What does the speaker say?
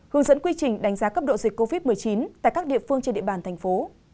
hướng dẫn quy trình đánh giá cấp độ dịch covid một mươi chín tại các địa phương trên địa bàn thành phố